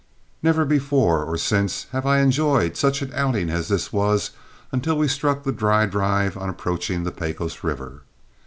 Never before or since have I enjoyed such an outing as this was until we struck the dry drive on approaching the Pecos River.